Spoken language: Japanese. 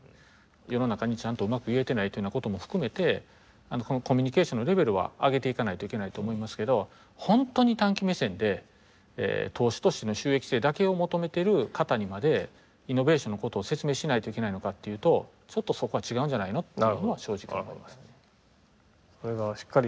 世の中にちゃんとうまく言えてないっていうようなことも含めてコミュニケーションのレベルは上げていかないといけないと思いますけど本当に短期目線で投資としての収益性だけを求めてる方にまでイノベーションのことを説明しないといけないのかっていうとちょっとそこは違うんじゃないの？っていうのは正直思いますね。